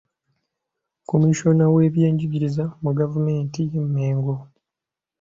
Commissioner w'Eby'enjigiriza mu Gavumenti y'e Mmengo.